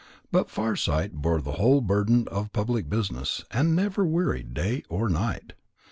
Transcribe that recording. But Farsight bore the whole burden of public business, and never wearied day or night.